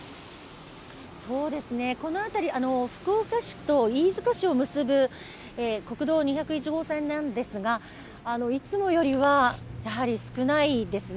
この辺り、福岡市と飯塚市を結ぶ国道２５１号線なんですが、いつもよりは、やはり少ないですね